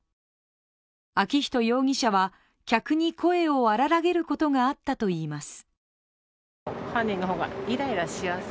昭仁容疑者は客に声を荒げることがあったといいます。